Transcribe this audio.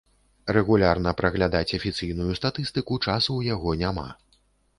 Рэгулярна праглядаць афіцыйную статыстыку часу ў яго няма.